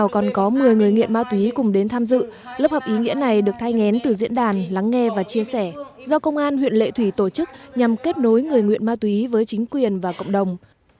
còn có một mươi người nghiện ma túy cùng đến tham dự lớp học ý nghĩa này được thay ngén từ diễn đàn lắng nghe và chia sẻ do công an huyện lệ thủy tổ chức nhằm kết nối người nghiện ma túy với chính quyền và cộng đồng